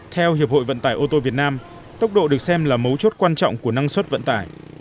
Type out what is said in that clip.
theo hiệp hội vận tải ô tô việt nam tốc độ được xem là mấu chốt quan trọng của năng suất vận tải